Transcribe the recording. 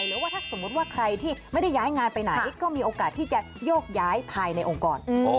หรือว่าถ้าสมมุติว่าใครที่ไม่ได้ย้ายงานไปไหนก็มีโอกาสที่จะโยกย้ายภายในองค์กร